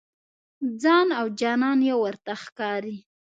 ځان او جانان یو ورته ښکاري.